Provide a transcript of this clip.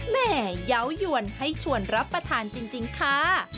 แห่เยาว์ยวนให้ชวนรับประทานจริงค่ะ